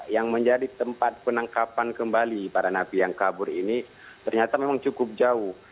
yang menjadi tempat penangkapan kembali para napi yang kabur ini ternyata memang cukup jauh